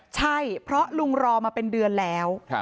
ใช่เพราะลุงรอมาเป็นเดือนแล้ว